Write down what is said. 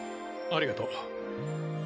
ありがとう。